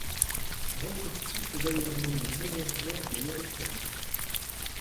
Rochestie est d'ailleurs nommé meilleur joueur de l'EuroChallenge.